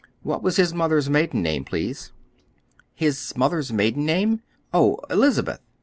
What was his mother's maiden name, please?" "His mother's maiden name? Oh, 'Elizabeth.